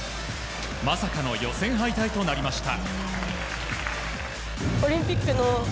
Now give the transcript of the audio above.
まさかの予選敗退となりました。